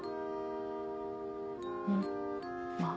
うんまぁ